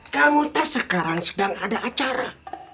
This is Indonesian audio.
kamu tes sekarang sedang ada acara